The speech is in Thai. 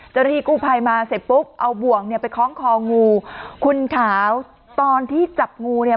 เจ้าหน้าที่กู้ภัยมาเสร็จปุ๊บเอาบ่วงเนี่ยไปคล้องคองูคุณขาวตอนที่จับงูเนี่ย